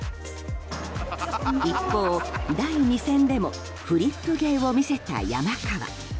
一方、第２戦でもフリップ芸を見せた山川。